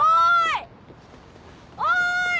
おい！